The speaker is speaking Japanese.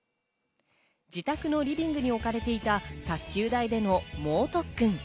自宅のリビングに置かれていた卓球台での猛特訓。